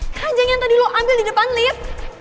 keranjang yang tadi lo ambil di depan lift